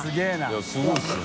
いやすごいですよね。